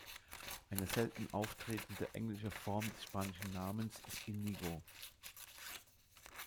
Eine selten auftretende englische Form des spanischen Namens ist "Inigo".